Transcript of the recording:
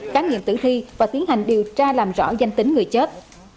khám nghiệm tử thi và tiến hành điều tra làm rõ danh tính người chết